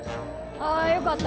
あよかった。